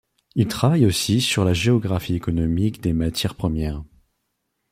Il travaille aussi sur la géographie économique des matières premières.